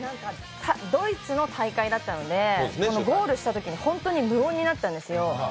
ドイツの大会だったのでゴールしたときに本当に無音になったんですよ。